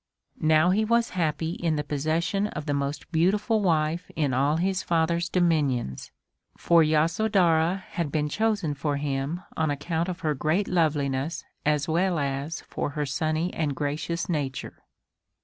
Now he was happy in the possession of the most beautiful wife in all his father's dominions, for Yasodhara had been chosen for him on account of her great loveliness as well as for her sunny and gracious nature.